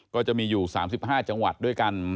ก็จะมีอยู่๓๕จังหวัดด้วยกัน